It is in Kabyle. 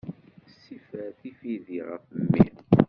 Sifer tifidi ɣef mmi.